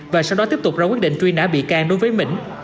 và sau đó tiếp tục ra quyết định truy nã bị can đối với mỹ